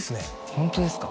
ホントですか？